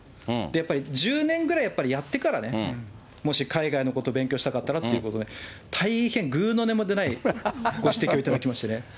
やっぱり１０年ぐらいやってからね、もし海外のことを勉強したかったらということで、大変、ぐうの音も出ないご指摘を頂きましてね。